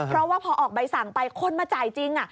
เพราะว่าพอออกใบสั่งไปคนมาจ่ายจริง